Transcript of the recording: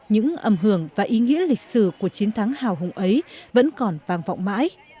những âm hưởng và ý nghĩa lịch sử của chiến thắng hào hùng ấy vẫn còn vang vọng mãi